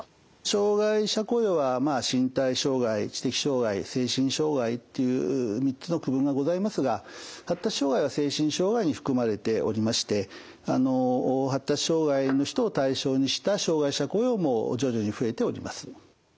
障害者雇用は身体障害知的障害精神障害という３つの区分がございますが発達障害は精神障害に含まれておりまして発達障害の人を対象にした障害者雇用も徐々に増えております。